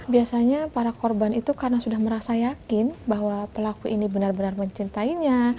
biasanya para korban itu karena sudah merasa yakin bahwa pelaku ini benar benar mencintainya